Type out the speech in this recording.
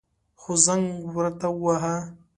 خو زنگ ورته وواهه.